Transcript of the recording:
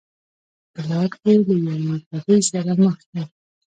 په لار کې له یوې بګۍ سره مخ شوم.